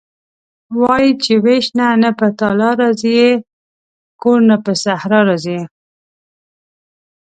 وايي چې وېش نه په تالا راضي یې کور نه په صحرا راضي یې..